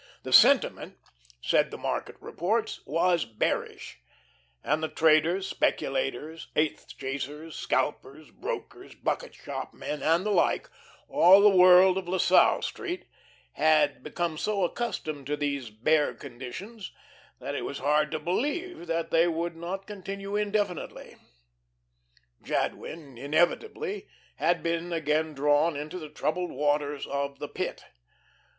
"The 'sentiment,'" said the market reports, "was bearish"; and the traders, speculators, eighth chasers, scalpers, brokers, bucket shop men, and the like all the world of La Salle Street had become so accustomed to these "Bear conditions," that it was hard to believe that they would not continue indefinitely. Jadwin, inevitably, had been again drawn into the troubled waters of the Pit.